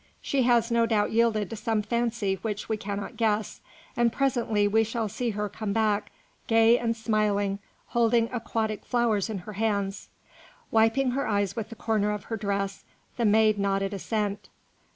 She has no doubt yielded to some fancy which we cannot guess, and presently we shall see her come back, gay and smiling, holding aquatic flowers in her hands." Wiping her eyes with the corner of her dress, the maid nodded assent.